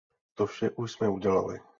To vše už jsme udělali.